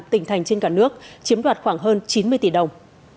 tỉnh thành trên cả nước chiếm đoạt khoảng hơn chín mươi tỷ đồng